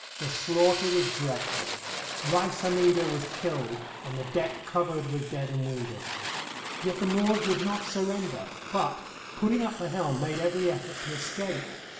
The slaughter was dreadful. Rais Hammida was killed and the deck covered with dead and wounded. Yet the Moors would not surrender, but, putting up the helm, made every effort to escape.